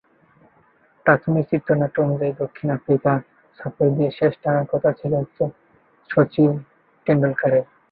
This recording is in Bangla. প্রাথমিক চিত্রনাট্য অনুযায়ী দক্ষিণ আফ্রিকা সফর দিয়েই শেষ টানার কথা ছিল শচীন টেন্ডুলকারের।